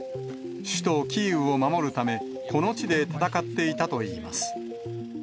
首都キーウを守るため、この地で戦っていたといいます。